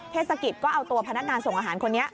เทศกิจก็เอาตัวพนักงานส่งอาหารคนนี้